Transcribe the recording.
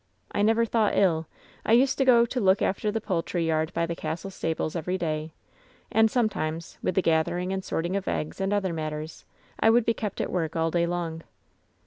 I never thought ill. I used to go to look after die poultry yard by the castle stables every day, and sometimes, with the gathering and sorting of eggs, and other matters, I would be kept at work all day long.